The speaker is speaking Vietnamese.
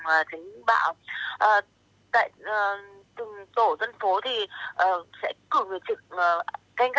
và chính bạo tại từng tổ dân phố thì sẽ cử người trực